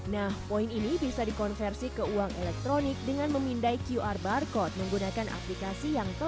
nah poin ini bisa dikonversi dengan mesin penjual otomatis